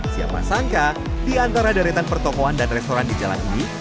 siapa sangka di antara deretan pertokohan dan restoran di jalan ini